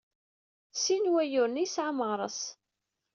Sin n wayyuren ay yesɛa Meɣres.